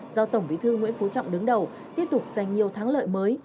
do tổng bí thư nguyễn phú trọng đứng đầu tiếp tục giành nhiều thắng lợi mới